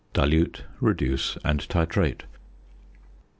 Dilute, reduce, and titrate.